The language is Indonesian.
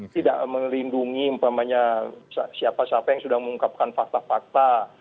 tidak melindungi siapa siapa yang sudah mengungkapkan fakta fakta